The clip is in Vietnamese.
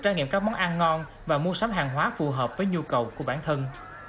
trải nghiệm các món ăn ngon và mua sắm hàng hóa phù hợp với nhu cầu của bản thân